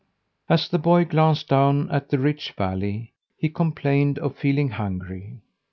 As the boy glanced down at the rich valley, he complained of feeling hungry.